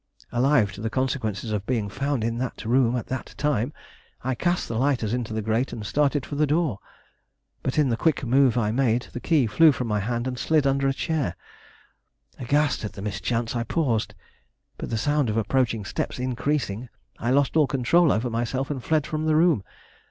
Alive to the consequences of being found in that room at that time, I cast the lighters into the grate and started for the door. But in the quick move I made, the key flew from my hand and slid under a chair. Aghast at the mischance, I paused, but the sound of approaching steps increasing, I lost all control over myself and fled from the room.